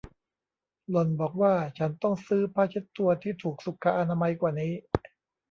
หล่อนบอกว่าฉันต้องซื้อผ้าเช็ดตัวที่ถูกสุขอนามัยกว่านี้